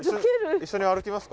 一緒に歩きますか？